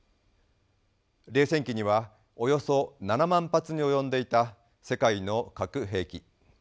冷戦期にはおよそ７万発に及んでいた世界の核兵器。